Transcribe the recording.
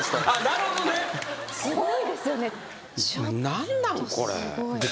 何なんこれ。